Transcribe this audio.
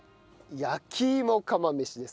焼き芋釜飯です。